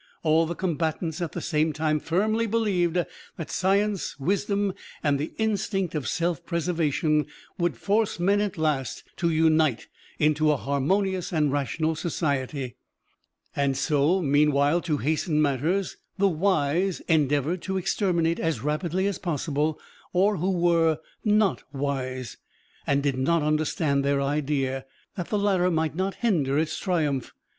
All the combatants at the same time firmly believed that science, wisdom and the instinct of self preservation would force men at last to unite into a harmonious and rational society; and so, meanwhile, to hasten matters, "the wise" endeavoured to exterminate as rapidly as possible all who were "not wise" and did not understand their idea, that the latter might not hinder its triumph.